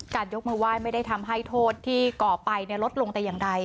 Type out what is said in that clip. ยกมือไหว้ไม่ได้ทำให้โทษที่ก่อไปลดลงแต่อย่างใด